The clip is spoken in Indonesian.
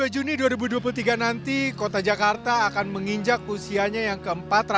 dua puluh juni dua ribu dua puluh tiga nanti kota jakarta akan menginjak usianya yang ke empat ratus